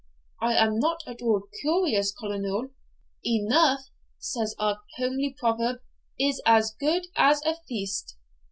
'I am not at all curious, Colonel. "Enough," says our homely proverb, "is as good as a feast."